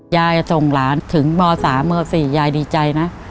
ยายส่งหลานถึงม๓ม๔ยายดีใจนะ